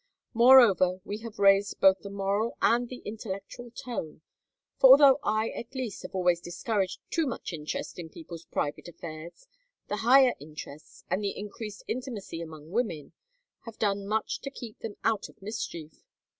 Moreover, we have raised both the moral and the intellectual tone, for although I at least have always discouraged too much interest in people's private affairs, the higher interests, and the increased intimacy among women, have done much to keep them out of mischief.